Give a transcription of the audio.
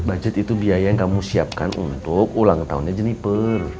budget itu biaya yang kamu siapkan untuk ulang tahunnya jenniper